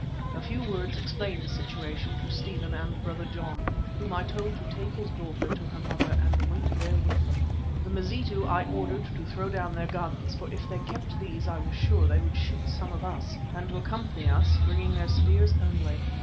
A few words explained the situation to Stephen and Brother John, whom I told to take his daughter to her mother and wait there with them. The Mazitu I ordered to throw down their guns, for if they kept these I was sure they would shoot some of us, and to accompany us, bringing their spears only.